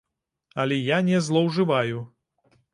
Але я не злоўжываю.